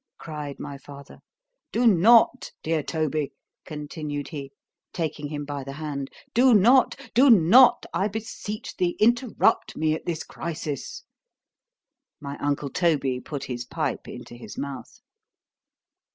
cried my father—do not—dear Toby, continued he, taking him by the hand, do not—do not, I beseech thee, interrupt me at this crisis.——My uncle Toby put his pipe into his mouth.